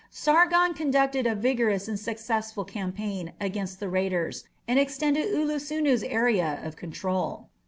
Sargon conducted a vigorous and successful campaign against the raiders, and extended Ullusunu's area of control.